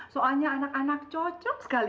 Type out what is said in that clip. soalnya anak anak cocok sekali